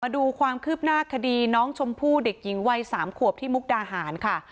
ดูความคืบหน้าคดีน้องชมพู่เด็กหญิงวัย๓ขวบที่มุกดาหารค่ะ